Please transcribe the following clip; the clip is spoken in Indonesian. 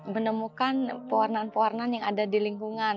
menemukan pewarnaan pewarnaan yang ada di lingkungan